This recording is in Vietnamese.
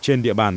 trên địa bàn